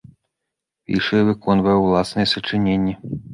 Піша і выконвае ўласныя сачыненні.